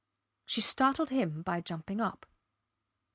. She startled him by jumping up.